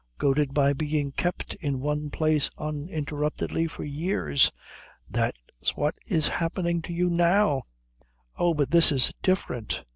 Goaded by being kept in one place uninterruptedly for years." "That's what is happening to you now." "Oh, but this is different.